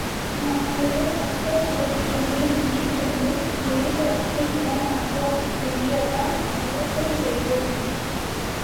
நாங்களோ சட்டசபைக்குள்ளே நின்றுகொண்டு வேங்கடத்தை விட மாட்டோம் என்றெல்லாம் முழக்கம் செய்தோம்.